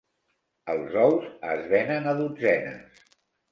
Els ous es venen a dotzenes.